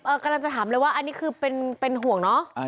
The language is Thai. กำลังจะถามเลยว่าอันนี้คือเป็นห่วงเนาะ